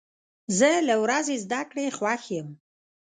زه له ورځې زده کړې خوښ یم.